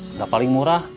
nggak paling murah